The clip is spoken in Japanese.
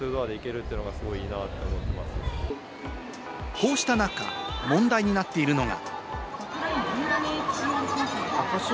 こうした中、問題になっているのが。